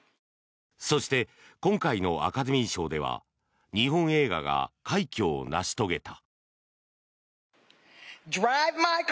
そして、今回のアカデミー賞では日本映画が快挙を成し遂げた。